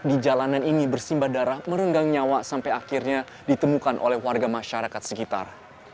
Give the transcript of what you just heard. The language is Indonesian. di jalanan ini bersimba darah merenggang nyawa sampai akhirnya ditemukan oleh warga masyarakat sekitar